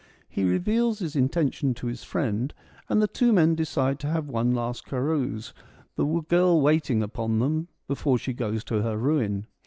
He reveals his intention to his friend, and the two men decide to have one last carouse, the girl waiting upon them, before she goes to her ruin.